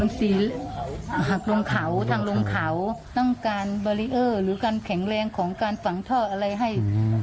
สีหักลงเขาทางลงเขาต้องการบารีเออร์หรือการแข็งแรงของการฝังท่ออะไรให้